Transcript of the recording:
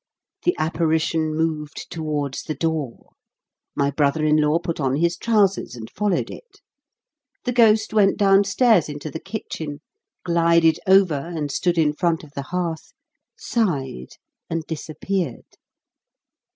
The apparition moved towards the door: my brother in law put on his trousers and followed it. The ghost went downstairs into the kitchen, glided over and stood in front of the hearth, sighed and disappeared.